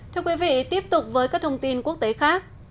thưa quý vị tiếp tục với các thông tin quốc tế khác